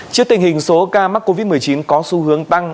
trước tình hình số ca mắc covid một mươi chín có xu hướng tăng